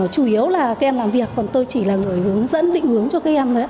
chủ yếu là các em làm việc còn tôi chỉ là người hướng dẫn định hướng cho các em